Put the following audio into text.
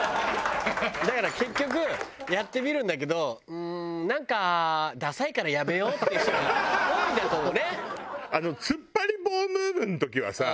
だから結局やってみるんだけどうーんなんかダサいからやめようっていう人が多いんだと思うね。